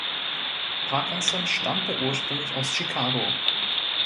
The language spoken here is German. Parkinson stammte ursprünglich aus Chicago.